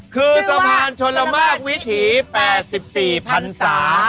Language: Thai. คือสะพานชนละมากวิถี๘๔พันศา